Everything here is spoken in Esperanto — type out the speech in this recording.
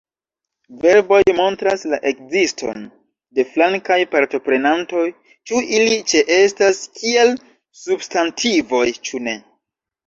Verboj montras la ekziston de flankaj partoprenantoj, ĉu ili ĉeestas kiel substantivoj, ĉu ne.